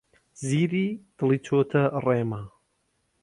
زیری دڵی چووەتە ڕیما.